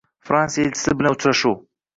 Fransiya elchisi bilan uchrashuv